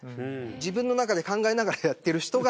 自分の中で考えながらやっている人が。